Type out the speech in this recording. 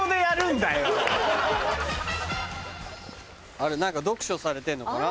あれ何か読書されてんのかな？